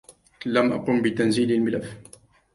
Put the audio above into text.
لم أقم بتنزيل الملف.